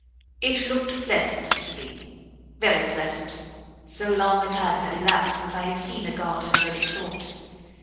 It looked pleasant, to me very pleasant, so long a time had elapsed since I had seen a garden of any sort.